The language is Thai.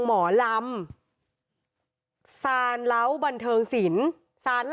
หมอลำ